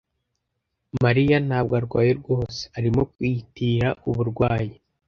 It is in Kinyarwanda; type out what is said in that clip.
Mariya ntabwo arwaye rwose. Arimo kwiyitirira uburwayi.